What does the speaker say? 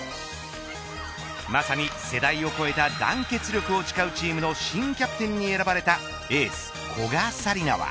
まさに世代を超えた団結力を誓うチームの新キャプテンに選ばれたエース古賀紗理那は。